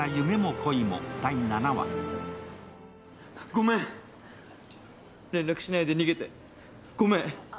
ごめん、連絡しないで逃げて、ごめん。